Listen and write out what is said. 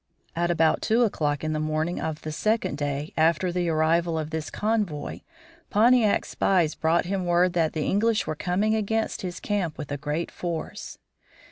At about two o'clock in the morning of the second day after the arrival of this convoy, Pontiac's spies brought him word that the English were coming against his camp with a great force.